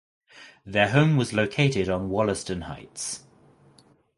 Their home was located on Wollaston Heights.